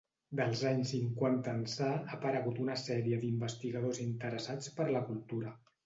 Dels anys cinquanta ençà ha aparegut una sèrie d’investigadors interessats per la cultura.